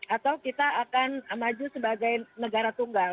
atau kita akan maju sebagai negara tunggal